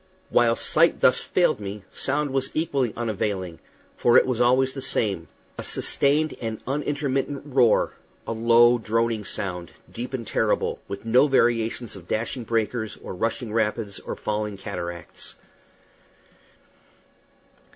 While sight thus failed me, sound was equally unavailing, for it was always the same a sustained and unintermittent roar, a low, droning sound, deep and terrible, with no variations of dashing breakers or rushing rapids or falling cataracts.